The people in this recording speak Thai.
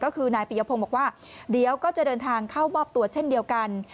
ก็คือนายปิยพงศ์บอกว่าเดี๋ยวก็จะเดินทางเข้ามอบตัวเช่นเดียวกัน